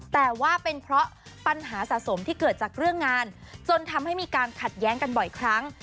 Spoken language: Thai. แต่ว่าเป็นเพราะปัญหาสะสมที่เกิดจากเรื่องงานจนทำให้มีการขัดแย้งกันบ่อยครั้ง